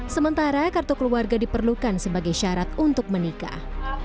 sementara kartu keluarga diperlukan sebagai syarat untuk menikah